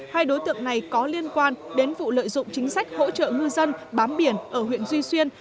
hai đối tượng này có liên quan đến vụ lợi dụng chính sách hỗ trợ ngư dân bám biển ở huyện duy xuyên